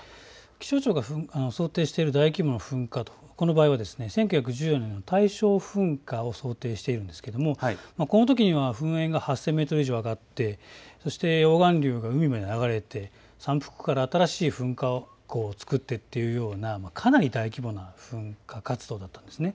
気象庁が想定している大規模な噴火というのは１９１４年の大正噴火を想定しているんですがこのときには噴煙が８０００メートル以上、上がってそして溶岩流が海まで流れて山腹から新しい噴火を作ってというような、かなり大規模な噴火活動だったんです。